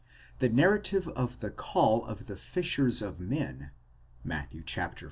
The narrative of the call of the fishers of men (Matt. iv.